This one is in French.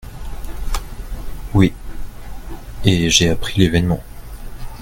Oui… et j’ai appris l’événement.